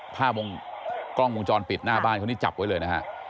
ภาพวงกล้องวงจรปิดหน้าบ้านเขานี่จับไว้เลยนะฮะ